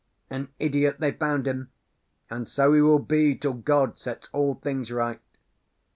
An idiot they found him; and so he will be till God sets all things right.